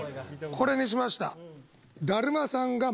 これにしました。